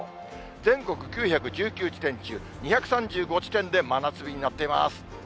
全国９１９地点中、２３５地点で真夏日になっています。